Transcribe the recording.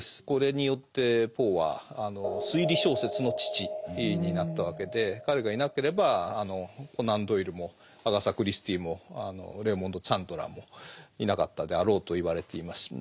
これによってポーは推理小説の父になったわけで彼がいなければあのコナン・ドイルもアガサ・クリスティもレイモンド・チャンドラーもいなかったであろうといわれています。